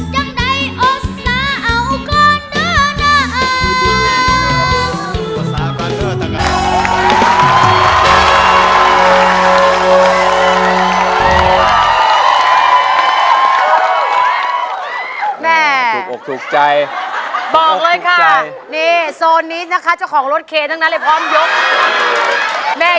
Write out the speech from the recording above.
ยังได้อสสาเอาก่อนเด้อหน้า